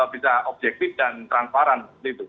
bisa objektif dan transparan